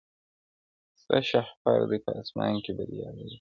ستا شهپر دي په اسمان کي بریالی وي.!